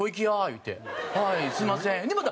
「はいすみません」。